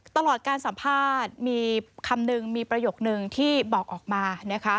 ตลอดการสัมภาษณ์มีคำนึงมีประโยคนึงที่บอกออกมานะคะ